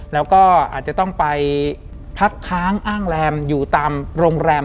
แล้วก็อาจจะต้องไปพักค้างอ้างแรมอยู่ตามโรงแรม